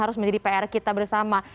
harus menjadi pr kita bersama